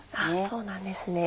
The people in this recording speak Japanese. そうなんですね。